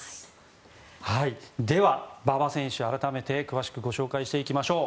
では、馬場選手改めて詳しくお伝えしていきましょう。